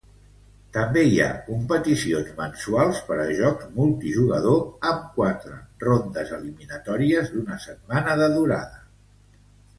També hi ha competicions mensuals per a jocs multijugador amb quatre rondes eliminatòries d'una setmana de durada.